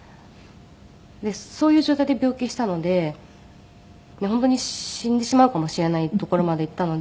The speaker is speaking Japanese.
そういう状態で病気したので本当に死んでしまうかもしれないところまでいったので。